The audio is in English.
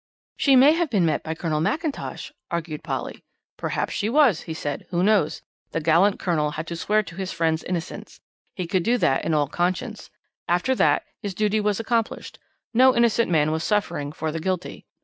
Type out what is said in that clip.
"She may have been met by Colonel McIntosh," argued Polly. "Perhaps she was," he said. "Who knows? The gallant colonel had to swear to his friend's innocence. He could do that in all conscience after that his duty was accomplished. No innocent man was suffering for the guilty.